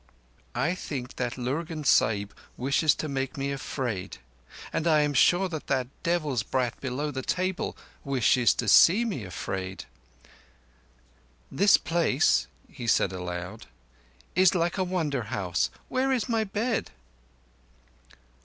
"I think that Lurgan Sahib wishes to make me afraid. And I am sure that that devil's brat below the table wishes to see me afraid. "This place," he said aloud, "is like a Wonder House. Where is my bed?"